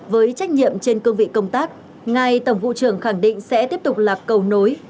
với trách nhiệm trên cương vị công tác ngài tổng vụ trưởng khẳng định sẽ tiếp tục là cầu nối